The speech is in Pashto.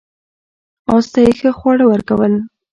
اس ته یې ښه خواړه ورکول.